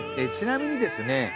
ちなみにですね